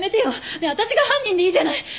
ねえ私が犯人でいいじゃない！